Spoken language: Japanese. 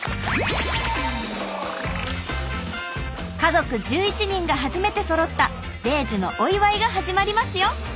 家族１１人が初めてそろった米寿のお祝いが始まりますよ！